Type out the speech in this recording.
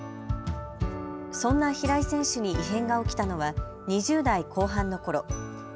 そんな平井選手に異変が起きたのは２０代後半のころ。